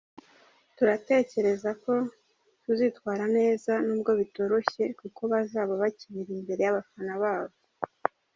Turatekereza ko tuzitwara neza nubwo bitoroshye kuko bazaba bakinira imbere y’abafana babo.